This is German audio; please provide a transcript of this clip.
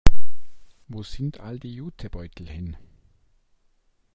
Wo sind all die Jutebeutel hin?